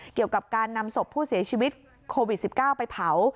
เกี่ยวกับการนำศพผู้เสียชีวิตโควิด๑๙ไปเผา